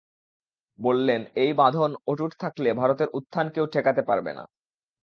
বললেন, এই বাঁধন অটুট থাকলে ভারতের উত্থান কেউ ঠেকাতে পারবে না।